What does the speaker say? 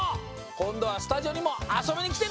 こんどはスタジオにもあそびにきてね！